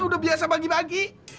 udah biasa bagi bagi